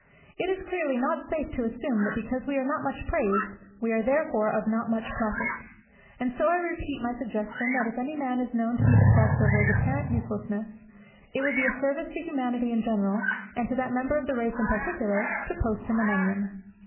It is clearly not safe to assume that because we are not much praised, we are therefore of not much profit. And so I repeat my suggestion that if any man is known to be depressed over his apparent uselessness, it would be a service to humanity in general, and to that member of the race in particular, to post him an onion.